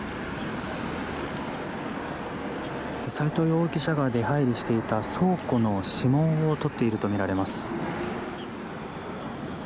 齋藤容疑者が出入りしていた倉庫の指紋を採っているとみられます。